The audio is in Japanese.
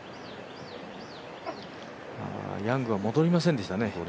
ヤングは戻りませんでしたね。